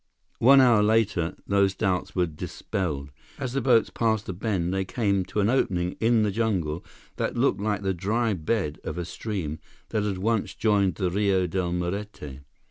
One hour later, those doubts were dispelled. As the boats passed a bend, they came to an opening in the jungle that looked like the dry bed of a stream that had once joined the Rio Del Muerte.